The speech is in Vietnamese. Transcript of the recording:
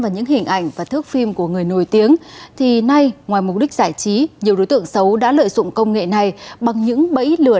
nguyễn thùy liễu đã bị sập bẫy lừa